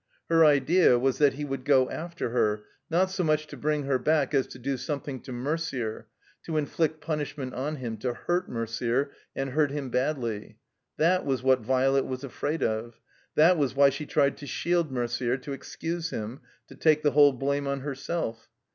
Her idea was that he would go after her, not so much to bring her back as to do something to Merder, to inflict punishment on him, to hurt Merder and hurt him badly. That was what Violet was afraid of; that was why she tried to shield Merder, to fexcuse him, to take the whole blame on herself.